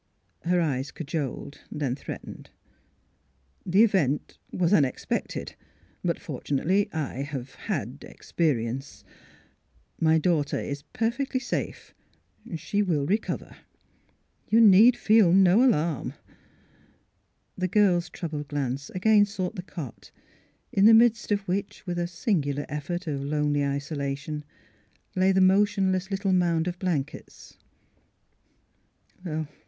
Her eyes cajoled; then threatened. " The event — was un expected. But, fortunately, I have had — experi ence. My daughter is perfectly safe. She will —■ recover. You need feel no alarm." The girl's troubled glance again sought the cot, in the midst of which, with a singular effect of lonely isolation, lay the motionless little mound of blankets.